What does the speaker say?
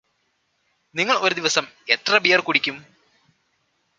നിങ്ങള് ഒരു ദിവസം എത്രെ ബിയർ കുടിക്കും